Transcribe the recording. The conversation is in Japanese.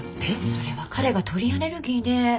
それは彼が鳥アレルギーで。